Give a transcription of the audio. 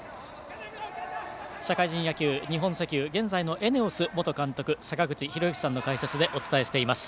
社会人野球、日本石油現在のＥＮＥＯＳ元監督坂口裕之さんの解説でお伝えしています。